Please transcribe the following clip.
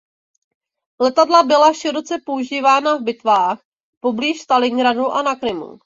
Letadla byla široce používána v bitvách poblíž Stalingradu a na Krymu.